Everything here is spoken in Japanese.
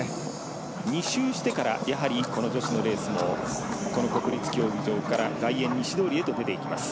２周してから女子のレースもこの国立競技場から外苑西通りへと出ていきます。